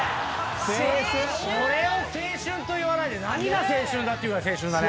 これを青春と言わないで何が青春だってぐらい青春だね。